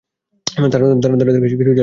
তারাদের কাছে কিছু চাইলে কপালে এইসবই জোটে।